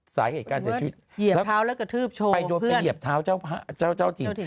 สายเหตุการณ์เสียชีวิตเหยียบเท้าแล้วกระทืบโชว์เพื่อนไปโดยไปเหยียบเท้าเจ้าเจ้าเจ้าจริง